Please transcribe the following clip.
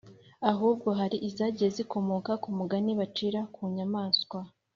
ahubwo hari izagiye zikomoka ku migani bacira ku nyamaswa